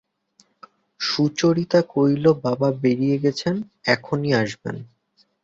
সুচরিতা কহিল, বাবা বেরিয়ে গেছেন, এখনই আসবেন।